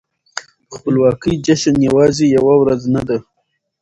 د خپلواکۍ جشن يوازې يوه ورځ نه ده.